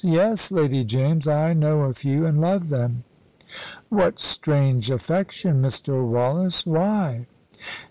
yes, Lady James, I know a few and love them." "What strange affection, Mr. Wallace! Why?"